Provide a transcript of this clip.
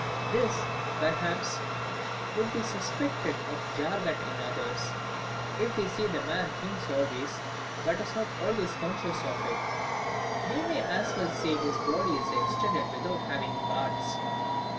This, perhaps, would be suspected of jargon in others. If they say the man thinks always, but is not always conscious of it, they may as well say his body is extended without having parts.